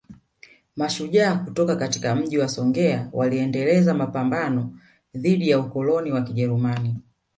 Mashujaa kutoka katika Mji wa Songea waliendeleza mapambano dhidi ya ukoloni wa Kijerumani